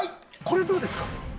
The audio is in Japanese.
これ、どうですか？